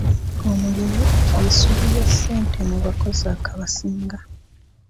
Omulimi ly'essuubi lya ssente mu bakozi abasinga.